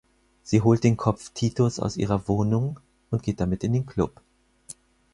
Sie holt den Kopf Titos aus ihrer Wohnung und geht damit in den Klub.